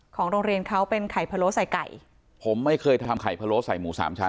ของโรงเรียนเขาเป็นไข่พะโล้ใส่ไก่ผมไม่เคยทำไข่พะโล้ใส่หมูสามชั้น